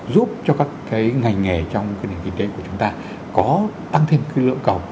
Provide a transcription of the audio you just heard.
giúp cho các cái ngành nghề trong cái nền kinh tế của chúng ta có tăng thêm cái lượng cầu